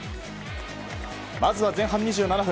まずは前半２７分。